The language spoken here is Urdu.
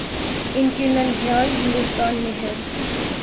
ان کے ننھیال ہندوستان میں ہیں۔